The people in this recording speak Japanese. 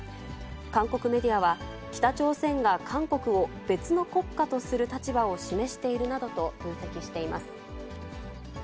韓国メディアは、北朝鮮が韓国を別の国家とする立場を示しているなどと分析しています。